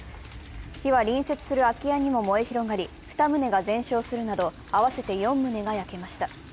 火は隣接する空き家にも燃え広がり、２棟が全焼するなど合わせて４棟が焼けました。